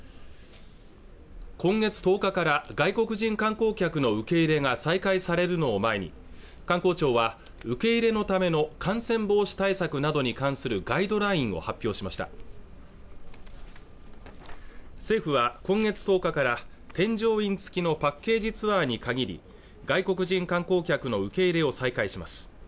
今月１０日から外国人観光客の受け入れが再開されるのを前に観光庁は受け入れのための感染防止対策などに関するガイドラインを発表しました政府は今月１０日から添乗員付きのパッケージツアーに限り外国人観光客の受け入れを再開します